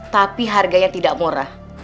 tapi harganya tidak murah